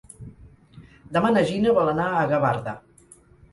Demà na Gina vol anar a Gavarda.